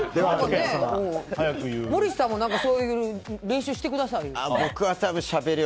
モリシーさんもそういう練習してくださいよ。